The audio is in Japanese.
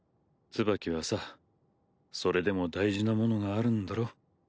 ツバキはさそれでも大事なものがあるんだろ？